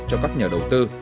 cho các nhà đầu tư